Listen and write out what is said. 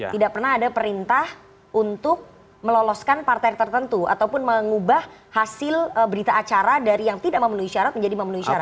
tidak pernah ada perintah untuk meloloskan partai tertentu ataupun mengubah hasil berita acara dari yang tidak memenuhi syarat menjadi memenuhi syarat